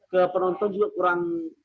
ke penonton juga kurang